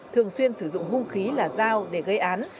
thường xuyên sử dụng hung khí là dao để gây án